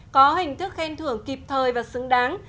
có hình thức khen thưởng kịp thời và xứng đáng